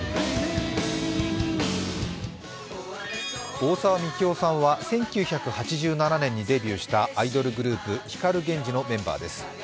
大沢樹生さんは１９８７年にデビューしたアイドルグループ光ＧＥＮＪＩのメンバーです。